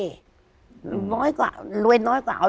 รวยน้อยก็เอารวยน้อยก็เอา